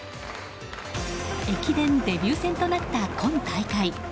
駅伝デビュー戦となった今大会。